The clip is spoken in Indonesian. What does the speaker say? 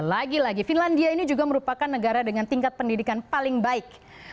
lagi lagi finlandia ini juga merupakan negara dengan tingkat pendidikan paling baik